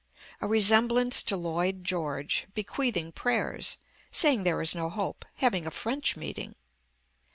A resemblance to Lloyd George, bequeathing prayers, saying there is no hope, having a french meeting.